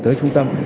tới trung tâm